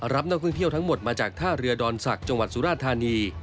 รับนักท่องเที่ยวทั้งหมดมาจากท่าเรือดอนศักดิ์จังหวัดสุราธานี